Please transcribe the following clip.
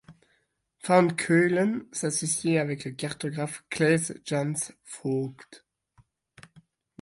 Van Keulen s'associe avec le cartographe Claes Jansz Vooght.